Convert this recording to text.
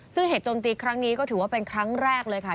ซึ่งเหตุโจมตีครั้งนี้ก็ถือว่าเป็นครั้งแรกเลยค่ะ